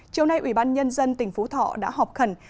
chiều nay ủy ban nhân dân tỉnh phú thọ đã họp khẩn